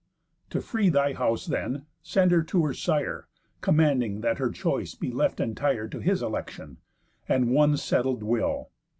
To free thy house then, send her to her sire, Commanding that her choice be left entire To his election, and one settled will.